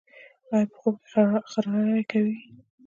ایا په خوب کې خراری کوئ؟